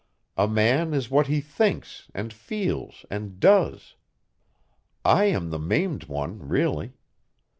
A man is what he thinks and feels and does. I am the maimed one, really.